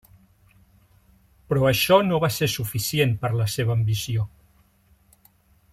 Però això no va ser suficient per a la seva ambició.